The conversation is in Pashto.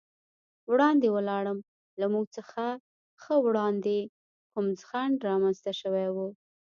وړاندې ولاړم، له موږ څخه ښه وړاندې کوم خنډ رامنځته شوی و.